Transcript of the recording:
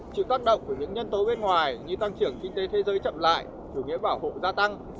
chịu tác động của những nhân tố bên ngoài như tăng trưởng kinh tế thế giới chậm lại chủ nghĩa bảo hộ gia tăng